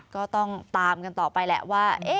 ก็ต้องตามกันต่อไปแหละว่า